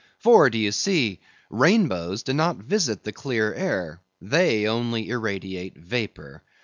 For, d'ye see, rainbows do not visit the clear air; they only irradiate vapor.